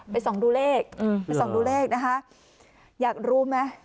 ส่องดูเลขไปส่องดูเลขนะคะอยากรู้ไหม